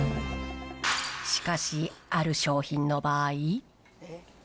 しかし、ある商品の場合。